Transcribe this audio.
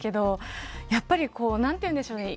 やっぱりこう何て言うんでしょうね